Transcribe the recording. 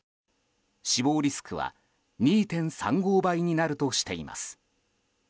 死亡リスクは２．３５倍になるとしています。